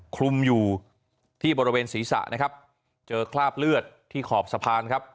คลุมอยู่ที่บริเวณศีรษะนะครับเจอคราบเลือดที่ขอบสะพานครับ